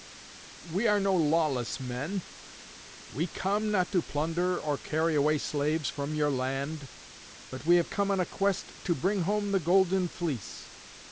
"We are no lawless men. We come, not to plunder or carry away slaves from your land, but we have come on a quest to bring home the Golden Fleece.